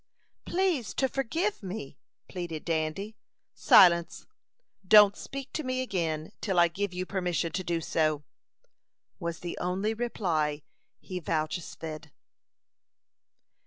"Please to forgive me!" pleaded Dandy. "Silence! Don't speak to me again till I give you permission to do so," was the only reply he vouchsafed.